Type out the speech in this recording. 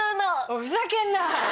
ふざけんな！